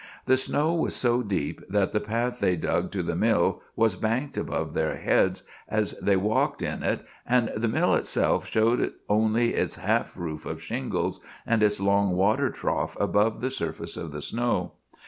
The snow was so deep that the path they dug to the mill was banked above their heads as they walked in it, and the mill itself showed only its half roof of shingles and its long water trough above the surface of the snow.